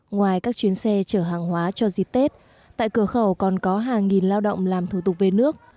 ngoài các chuyến xe chở hàng hóa cho dịp tết tại cửa khẩu còn có hàng nghìn lao động làm thủ tục về nước